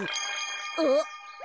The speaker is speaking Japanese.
あっ。